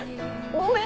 ごめん。